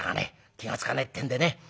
気が付かねえってんでね